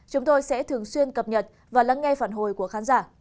chúng tôi sẽ thường xuyên cập nhật và lắng nghe phản hồi của khán giả